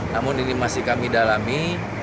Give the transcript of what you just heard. namun ini masih kami dalami